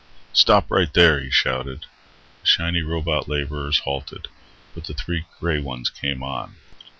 "Stop right there!" he shouted. The shiny robot laborers halted. But the three grey ones came on.